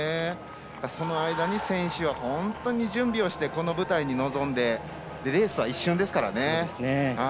その間に選手は本当に準備をしてこの舞台に臨んでレースは一瞬ですからね。